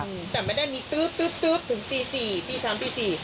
แต่ไม่ได้มีตื๊บตื๊บตื๊บถึงตี๔ตี๓ตี๔